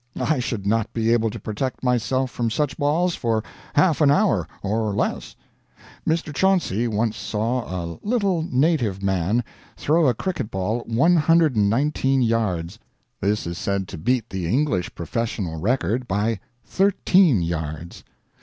I should not be able to protect myself from such balls for half an hour, or less. Mr. Chauncy once saw "a little native man" throw a cricket ball 119 yards. This is said to beat the English professional record by thirteen yards.